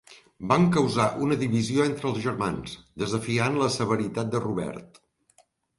Van causar una divisió entre els germans, desafiant la severitat de Robert.